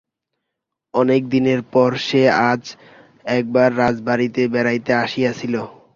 অনেক দিনের পর সে আজ একবার রাজবাড়িতে বেড়াইতে আসিয়াছিল।